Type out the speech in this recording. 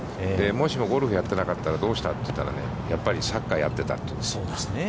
もしもゴルフをやってなかったらどうしたって言ったら、やっぱりサッカーをやっていたと。